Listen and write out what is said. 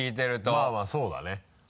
まぁまぁそうだね。